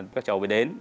các cháu mới đến